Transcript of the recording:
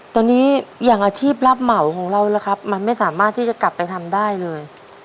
ตอนนี้อย่างอาชีพรับเหมาของเราล่ะครับมันไม่สามารถที่จะกลับไปทำได้เลย